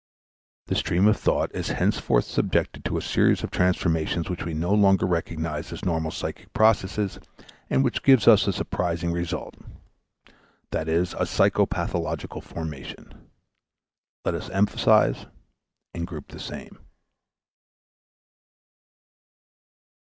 The stream of thought is henceforth subjected to a series of transformations which we no longer recognize as normal psychic processes and which give us a surprising result, viz. a psychopathological formation. Let us emphasize and group the same.